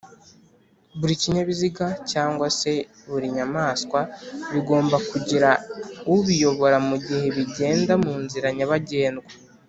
buri kinyabiziga cg se burinyamaswa bigomba kugira ubiyobora mugihe bigenda munzira nyabagendwa